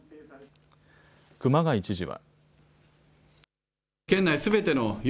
熊谷知事は。